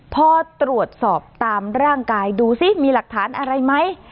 พอตรวจสอบตามร่างกายดูซิมีหลักฐานอะไรไหม